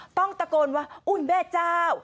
ต้องตะโกนว่าอุ้นแม่เจ้า